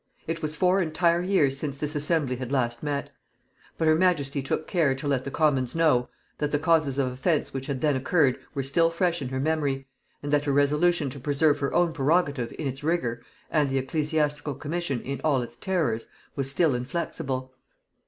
It was four entire years since this assembly had last met: but her majesty took care to let the commons know, that the causes of offence which had then occurred were still fresh in her memory, and that her resolution to preserve her own prerogative in its rigor, and the ecclesiastical commission in all its terrors, was still inflexible.